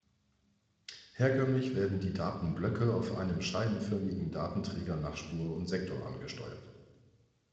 Herkömmlich werden die Datenblöcke auf einem scheibenförmigen Datenträger nach Spur und Sektor angesteuert.